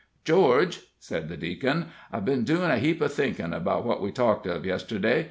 "George," said the Deacon, "I've been doin' a heap of thinkin' 'bout what we talked of yesterday.